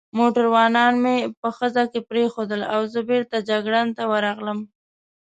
موټروانان مې په خزه کې پرېښوول او زه بېرته جګړن ته ورغلم.